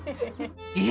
え⁉